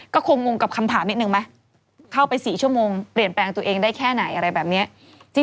ก็คงงกับคำถามนิดนึงไหมเข้าไป๔ชั่วโมงเปลี่ยนแปลงตัวเองได้แค่ไหนอะไรแบบนี้